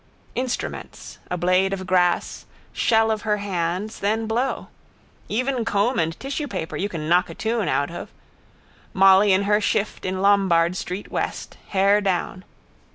Instruments. A blade of grass, shell of her hands, then blow. Even comb and tissuepaper you can knock a tune out of. Molly in her shift in Lombard street west, hair down.